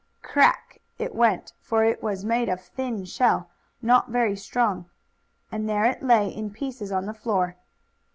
"Crack!" it went, for it was made of thin shell, not very strong. And there it lay in pieces on the floor.